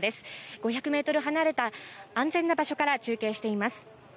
５００ｍ離れた安全な場所から中継しています。